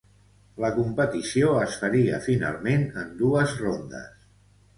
La competició es faria finalment en dues rondes.